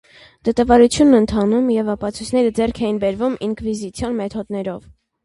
Դատավարությունն ընթանում, և ապացույցները ձեռք էին բերվում ինկվիզիցիոն մեթոդներով։